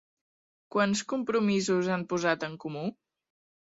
Quants compromisos han posat en comú?